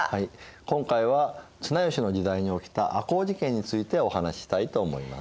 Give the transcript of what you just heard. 今回は綱吉の時代に起きた赤穂事件についてお話ししたいと思います。